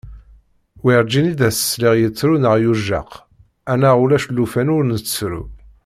Werǧin i d as-sliɣ, yettru neɣ yujjaq, anaɣ ulac llufan ur nettru.